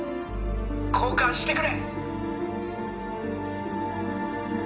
交換してくれ！